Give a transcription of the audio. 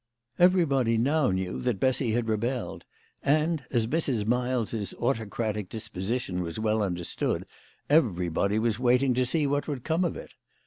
Everybody now knew that Bessy had rebelled; and, as Mrs. Miles's autocratic disposition was well understood, everybody was wait ing to see what would come of it.